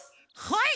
はい！